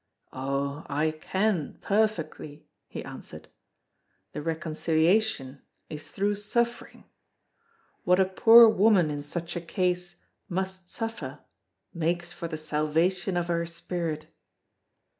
"Oh! I can, perfectly," he answered; "the reconciliation is through suffering. What a poor woman in such a case must suffer makes for the salvation of her spirit.